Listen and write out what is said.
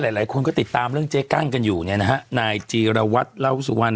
หลายคนก็ติดตามเรื่องเจ๊กั้งกันอยู่เนี่ยนะฮะนายจีรวัตรเล่าสุวรรณ